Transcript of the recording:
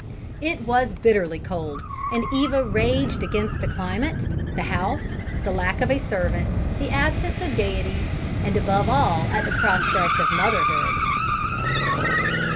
It was bitterly cold, and Eva raged against the climate, the house, the lack of a servant, the absence of gayety, and above all at the prospect of motherhood.